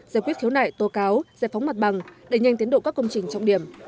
giải quyết thiếu nại tô cáo giải phóng mặt bằng đẩy nhanh tiến độ các công trình trọng điểm